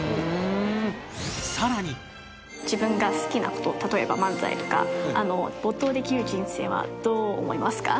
自分が好きな事例えば漫才とか没頭できる人生はどう思いますか？